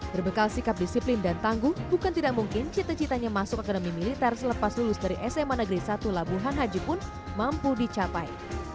berbekal sikap disiplin dan tangguh bukan tidak mungkin cita citanya masuk akademi militer selepas lulus dari sma negeri satu labuhan haji pun mampu dicapai